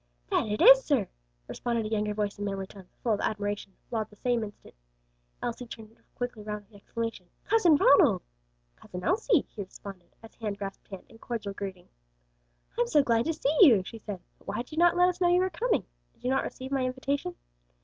"That it is, sir!" responded a younger voice in manly tones, full of admiration, while at the same instant, Elsie turned quickly round with the exclamation, "Cousin Ronald!" "Cousin Elsie," he responded, as hand grasped hand in cordial greeting. "I'm so glad to see you!" she said. "But why did you not let us know you were coming? Did you not receive my invitation?"